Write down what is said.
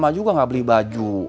emangnya gue nggak beli baju